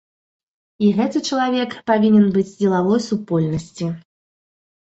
І гэты чалавек павінен быць з дзелавой супольнасці.